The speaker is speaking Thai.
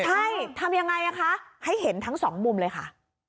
ใช่ทำยังไงคะให้เห็นทั้งสองมุมเลยค่ะ